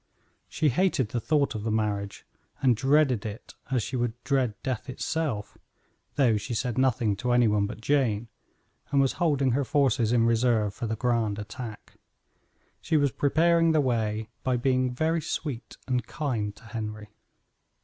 She hated the thought of the marriage, and dreaded it as she would death itself, though she said nothing to any one but Jane, and was holding her forces in reserve for the grand attack. She was preparing the way by being very sweet and kind to Henry.